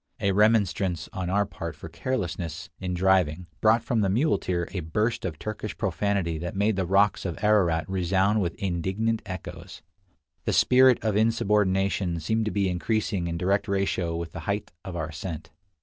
A remonstrance on our part for carelessness in driving brought from the muleteer a burst of Turkish profanity that made the rocks of Ararat resound with indignant echoes. The spirit of insubordination seemed to be increasing in direct ratio with the height of our ascent.